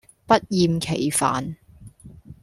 不厭其煩